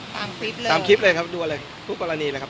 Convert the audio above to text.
ตามคลิปเลยตามคลิปเลยครับดูอะไรทุกกรณีเลยครับ